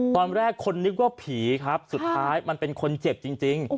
ตอนแรกคนนึกว่าผีครับสุดท้ายมันเป็นคนเจ็บจริง